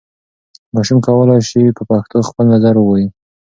ماشوم کولای سي په پښتو خپل نظر ووايي.